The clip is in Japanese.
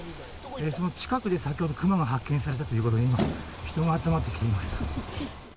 その近くで先ほどクマが発見されたということで今、人が集まってきています。